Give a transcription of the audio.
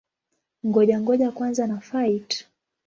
Ngoja-ngoja kwanza na-fight!